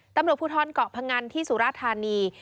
ตำรวจผู้ท้อนเกาะพังันที่สุรธารณี